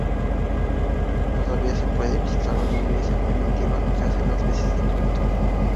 Todavía se puede visitar hoy la iglesia primitiva, que hace las veces de cripta.